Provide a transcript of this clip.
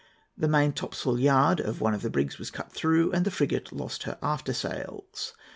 The main topsail yard of one of the brigs was cut through, and the frigate lost her after sails.